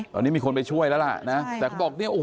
ตอนนี้มีคนไปช่วยแล้วล่ะนะแต่เขาบอก